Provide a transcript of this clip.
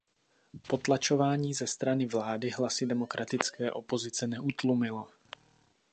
Potlačování ze strany vlády hlasy demokratické opozice neutlumilo.